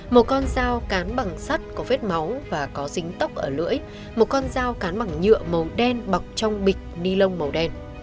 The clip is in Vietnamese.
một con dao cán bằng sắt có vết máu và có dính tóc ở lưỡi một con dao cán bằng nhựa màu đen bọc trong bịch ni lông màu đen